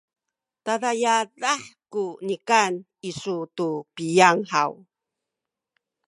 tada yadah ku nikan isu tu piyang haw?